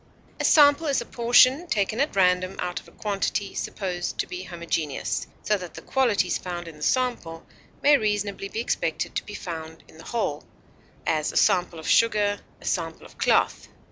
A sample is a portion taken at random out of a quantity supposed to be homogeneous, so that the qualities found in the sample may reasonably be expected to be found in the whole; as, a sample of sugar; a sample of cloth.